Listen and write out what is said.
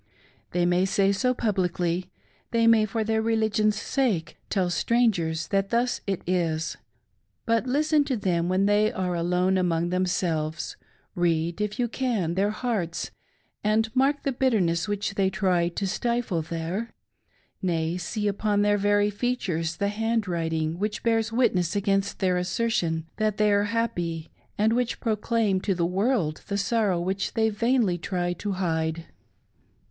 They may say so publicly, they may, for their religion's sake, tM strangers that thus it is ; but listen to them when they are alone among themselves ; read, if you can, their hearts, and mark the bitterness which they try to stifle there ; nay, see upon their very features the handwriting which bears witness against their assertion that they are happy and which proclaims to the world the sorrow which they vainly try to hide